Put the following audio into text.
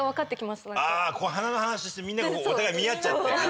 鼻の話してみんながお互い見合っちゃって。